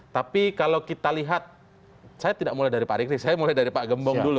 tapi kalau kita lihat saya tidak mulai dari pak riki saya mulai dari pak gembong dulu